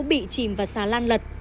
bị chìm và xà lan lật